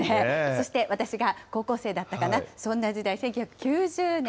そして、私が高校生だったかな、そんな時代、１９９０年。